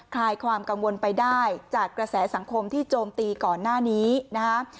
คลายความกังวลไปได้จากกระแสสังคมที่โจมตีก่อนหน้านี้นะฮะ